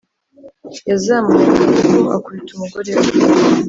Yazamuye akaboko akubita umugore we